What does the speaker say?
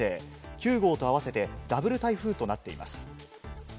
９号と合わせてダブル台風となっています。